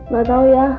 gak tau ya